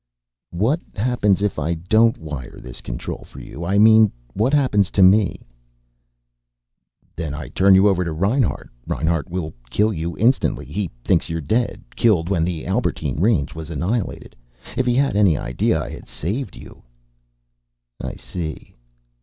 "What happens if I don't wire this control for you? I mean, what happens to me?" "Then I turn you over to Reinhart. Reinhart will kill you instantly. He thinks you're dead, killed when the Albertine Range was annihilated. If he had any idea I had saved you " "I see."